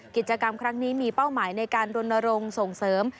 กิจกรรมครั้งนี้มีเป้าหมายในการรณรงค์ส่งเสริม